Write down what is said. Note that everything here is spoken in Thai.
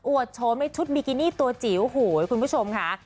อั่วโททธ์ในชุดบิกินี่ตัวจี๋วห๋วคุณผู้ชมค่ะ